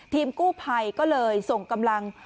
ทีมกู้ภัยก็เลยส่งกำลัง